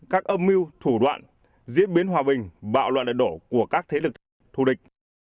các âm mưu thủ đoạn diễn biến hòa bình bạo loạn đại đổ của các thế lực thù địch